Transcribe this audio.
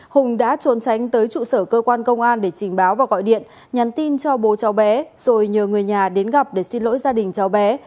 hùng đã trốn tránh tới trụ sở cơ quan công an để trình báo và gọi điện nhắn tin cho bố cháu bé rồi nhờ người nhà đến gặp để xin lỗi gia đình cháu bé